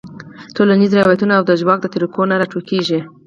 ټولنیزو رواياتو او د ژواک د طريقو نه راټوکيږي -